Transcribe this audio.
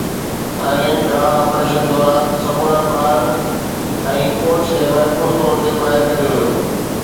Thailand غار operation دوران سمورن ٻارن ۽ ڪوچ کي محفوظ طور تي ٻاهر ڪڍيو ويو